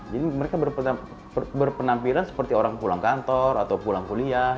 jadi mereka berpenampilan seperti orang pulang kantor atau pulang kuliah